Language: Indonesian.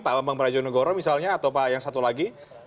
pak bambang brajonegoro misalnya atau pak yang satu lagi